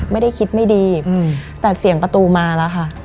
ไม่ได้คิดไม่ดีแต่เสียงประตูมาแล้วค่ะ